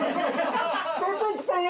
出てきたよ